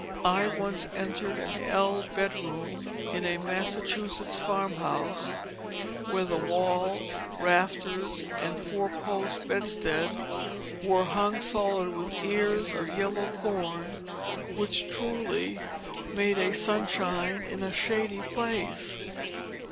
I once entered an ell bedroom in a Massachusetts farmhouse where the walls, rafters, and four post bedstead were hung solid with ears of yellow corn, which truly "made a sunshine in a shady place."